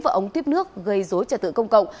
và ống tiếp nước gây dối trật tự công cộng